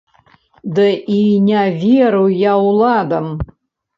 Ды і не веру я ўладам.